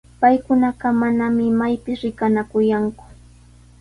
Paykunaqa manami imaypis rikanakuyanku,